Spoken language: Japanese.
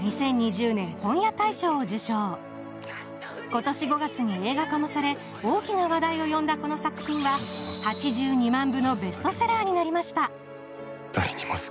今年５月に映画化もされ、大きな話題を呼んだこの作品は８２万部のベストセラーになりました。